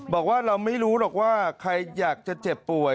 บอกว่าเราไม่รู้หรอกว่าใครอยากจะเจ็บป่วย